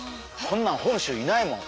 こんなん本州いないもん！